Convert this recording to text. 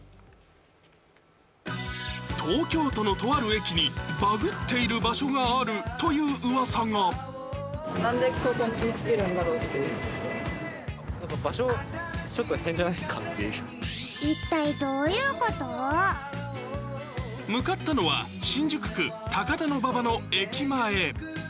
東京都のとある駅にバグっている場所があるといううわさが向かったのは新宿区高田馬場の駅前。